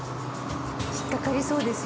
引っかかりそうですよね。